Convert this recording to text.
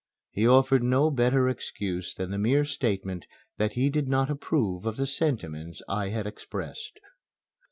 He offered no better excuse than the mere statement that he did not approve of the sentiments I had expressed.